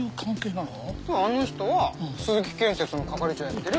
あの人は鈴木建設の係長やってる。